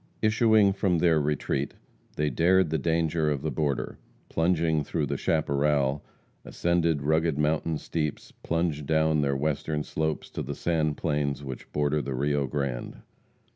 Issuing from their retreat, they dared the danger of the border, plunged through the chaparral, ascended rugged mountain steeps, plunged down their western slopes to the sand plains which border the Rio Grande.